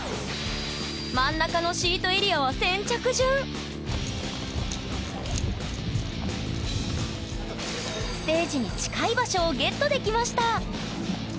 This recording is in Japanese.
真ん中のシートエリアはステージに近い場所をゲットできました！